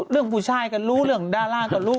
ผู้ชายก็รู้เรื่องดาราก็รู้